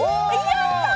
やった！